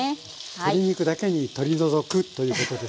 鶏肉だけにとり除くということですね。